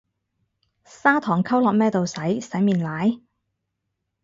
砂糖溝落咩度洗，洗面奶？